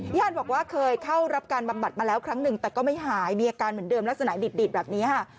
ญาติบอกว่าเคยเข้ารับการบำบัดมาแล้วครั้งหนึ่งแต่ก็ไม่หายมีอาการเหมือนเดิมลักษณะดีดแบบนี้ค่ะ